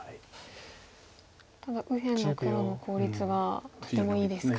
ただ右辺の黒の効率がとてもいいですか。